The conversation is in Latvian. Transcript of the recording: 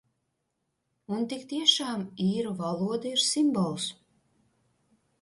Un tik tiešām īru valoda ir simbols.